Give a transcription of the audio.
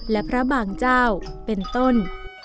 และพระบางเจ้าเป็นต้น